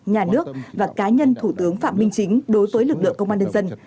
nhà nước và cá nhân thủ tướng phạm minh chính đối với lực lượng công an nhân dân